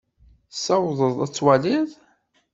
Tsawḍeḍ ad twaliḍ?